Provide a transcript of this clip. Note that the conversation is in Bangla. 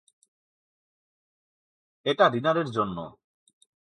এটা ডিনারের জন্য.